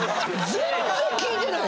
全然聞いてない。